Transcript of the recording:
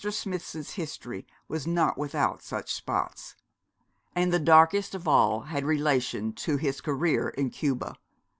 Smithson's history was not without such spots; and the darkest of all had relation to his career in Cuba.